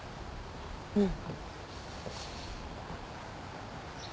うん。